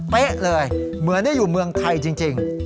เลยเหมือนได้อยู่เมืองไทยจริง